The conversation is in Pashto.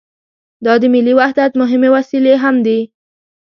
دا د ملي وحدت مهمې وسیلې هم دي.